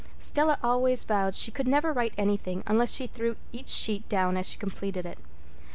Stella always vowed she never could write anything unless she threw each sheet down as she completed it.